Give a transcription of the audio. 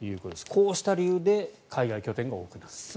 こうした理由で海外拠点が多くなっている。